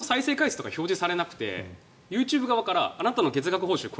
ユーチューバーが自分の再生回数とか表示されなくてＹｏｕＴｕｂｅ側からあなたの月額報酬